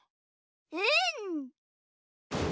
うん！